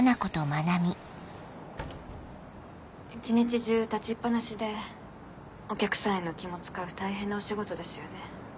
一日中立ちっぱなしでお客さんへの気も使う大変なお仕事ですよね。